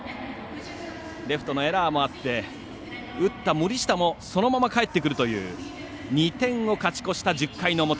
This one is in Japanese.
レフトのエラーもあって打った森下もそのままかえってくるという２点を勝ち越した、１０回の表。